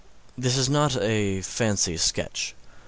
This is not a fancy sketch.